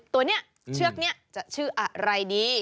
ตัวนี้เชือกนี้จะชื่ออะไรดี